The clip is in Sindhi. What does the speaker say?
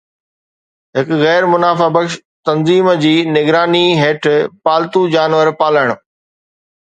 هڪ غير منافع بخش تنظيم جي نگراني هيٺ پالتو جانور پالڻ